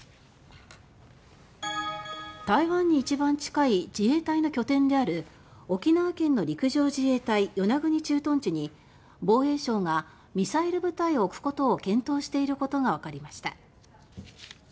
台湾に一番近い自衛隊の拠点である沖縄県の陸上自衛隊与那国駐屯地に防衛省がミサイル部隊を置くことを検討していることがわかりました。